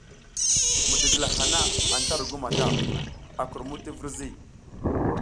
Midigila hana anta ru gu mata, a kurmud ti virzi.